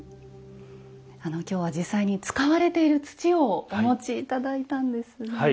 今日は実際に使われている土をお持ち頂いたんですね。